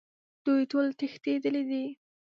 دوی ټول تښتیدلي دي